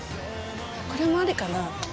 これもありかな？